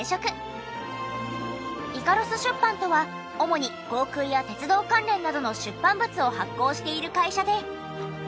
イカロス出版とは主に航空や鉄道関連などの出版物を発行している会社で。